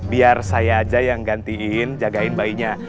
biar saya aja yang gantiin jagain bayinya